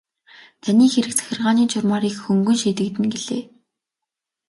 Таны хэрэг захиргааны журмаар их хөнгөн шийдэгдэнэ гэлээ.